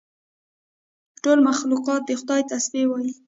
ټول مخلوقات د خدای تسبیح وایي.